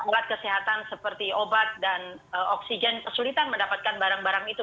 alat kesehatan seperti obat dan oksigen kesulitan mendapatkan barang barang itu